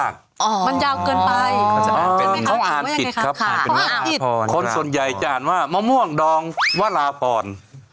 คนส่วนใหญ่จะอ่านว่ามะม่วงดองว่าลาพร